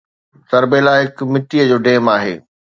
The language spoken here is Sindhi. تربيلا هڪ مٽيءَ جو ڊيم آهي